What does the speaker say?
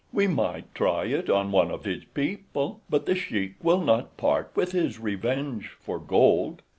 "We might try it on one of his people; but The Sheik will not part with his revenge for gold.